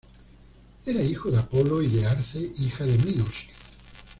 Era hijo de Apolo y de Arce, hija de Minos.